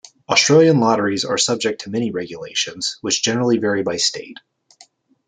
Australian lotteries are subject to many regulations, which generally vary by state.